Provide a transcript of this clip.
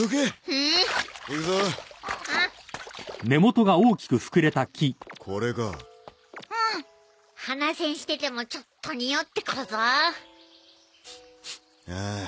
うぅぅ行くぞこれかうん鼻栓しててもちょっとにおってくるぞああ